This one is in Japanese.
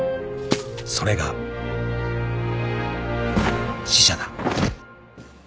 ［それが死者だ］